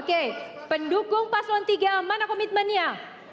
oke pendukung paslon tiga mana komitmennya